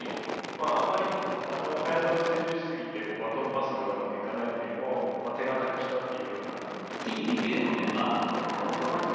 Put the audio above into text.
まああんまり速さを追求しすぎてバトンパスがうまくいかないっていうのを手堅くしたっていうような。